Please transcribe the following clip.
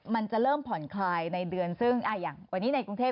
มันจะเริ่มผ่อนคลายในเดือนซึ่งอย่างวันนี้ในกรุงเทพ